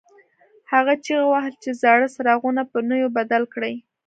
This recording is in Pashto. هغه چیغې وهلې چې زاړه څراغونه په نویو بدل کړئ.